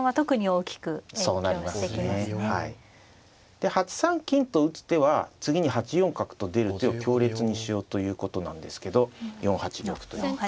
で８三金と打つ手は次に８四角と出る手を強烈にしようということなんですけど４八玉と寄った。